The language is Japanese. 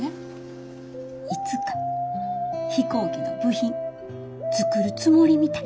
いつか飛行機の部品作るつもりみたい。